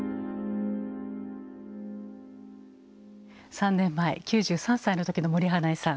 ３年前９３歳の時の森英恵さん